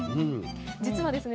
実はですね